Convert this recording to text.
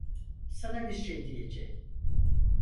Sana bir şey diyeceğim.